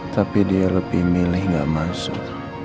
tapi dia lebih milih gak masuk